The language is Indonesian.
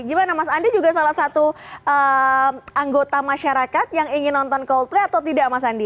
gimana mas andi juga salah satu anggota masyarakat yang ingin nonton coldplay atau tidak mas andi